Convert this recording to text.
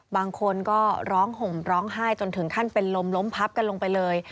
บางคนก็ร้องห่มร้องไห้จนถึงขั้นเป็นลมล้มพับกันลงไปเลย